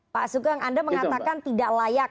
pak sugeng anda mengatakan tidak layak